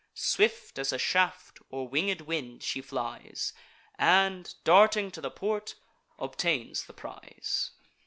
Swift as a shaft, or winged wind, she flies, And, darting to the port, obtains the prize.